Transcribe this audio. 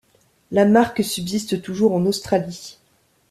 La marque subsiste toujours en Australie.